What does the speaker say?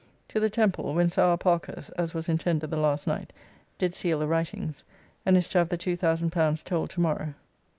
To the Temple, when Sir R. Parkhurst (as was intended the last night) did seal the writings, and is to have the L2000 told to morrow.